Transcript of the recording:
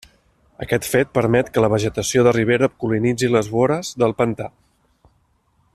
Aquest fet permet que la vegetació de ribera colonitzi les vores del pantà.